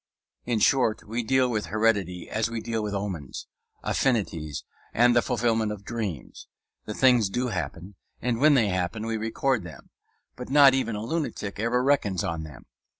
In short, we deal with heredity as we deal with omens, affinities and the fulfillment of dreams. The things do happen, and when they happen we record them; but not even a lunatic ever reckons on them.